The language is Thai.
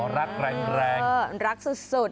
รักแรงรักสุด